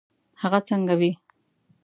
هغه څنګه وي.